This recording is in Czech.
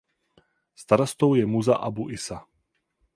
Starostou je Musa Abu Isa.